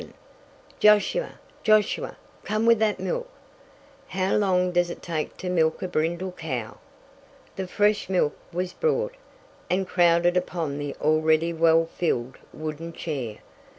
Josiah! Josiah! Come with that milk! How long does it take to milk a brindle cow?" The fresh milk was brought, and crowded upon the already well filled wooden chair.